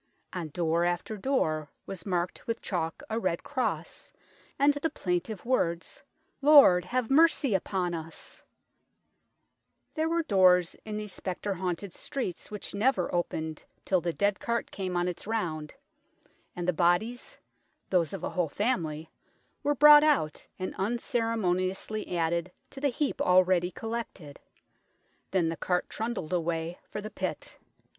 On door after door was marked with chalk a red cross, and the plaintive words, " Lord, have mercy upon us !" There were doors in these spectre haunted streets which never opened till the dead cart came on its round, and the bodies those of a whole family were brought out and uncere moniously added to the heap already collected ; then the cart trundled away for the pit.